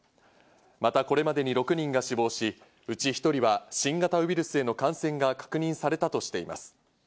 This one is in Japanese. またこれまでに６人が死亡し、うち１人は新型ウイルスへの感染が確認されたとしています。